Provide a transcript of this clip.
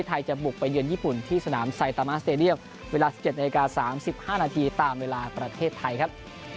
ไทยจะบุกไปเยือนญี่ปุ่นที่สนามไซตามาสเตรเนียมเวลาสิบเจ็ดนาฬิกาสามสิบห้านาทีตามเวลาประเทศไทยครับ